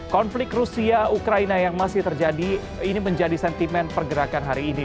konflik rusia ukraina yang masih terjadi ini menjadi sentimen pergerakan hari ini